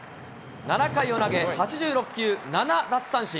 ７回を投げ、８６球、７奪三振。